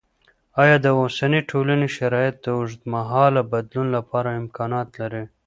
آیا د اوسني ټولني شرایط د اوږدمهاله بدلون لپاره امکانات لري؟